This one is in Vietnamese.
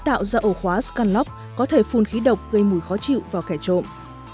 tạo ra ổ khóa scanlock có thể phun khí độc gây mùi khó chịu vào kẻ trộm